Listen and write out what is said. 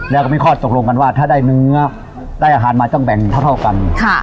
แล้วก็มีข้อตกลงกันว่าถ้าได้เนื้อได้อาหารมาต้องแบ่งเท่ากัน